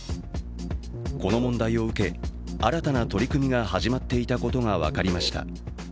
この問題を受け、新たな取り組みが始まっていたことが分かりました。